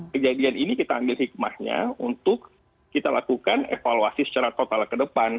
kejadian ini kita ambil hikmahnya untuk kita lakukan evaluasi secara total ke depan